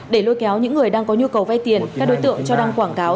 để lôi kéo những người đang có nhu cầu vay tiền các đối tượng cho đăng quảng cáo